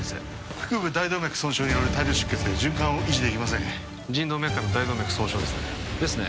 腹部大動脈損傷による大量出血で循環を維持できません腎動脈下の大動脈損傷ですねですね